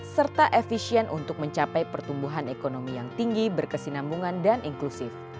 serta efisien untuk mencapai pertumbuhan ekonomi yang tinggi berkesinambungan dan inklusif